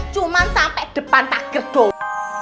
cuman sampe depan tak gerdok